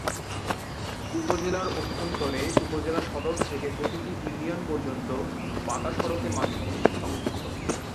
উপজেলার অভ্যন্তরে উপজেলা সদর থেকে প্রতিটি ইউনিয়ন পর্যন্ত পাকা সড়কের মাধ্যমে সংযুক্ত।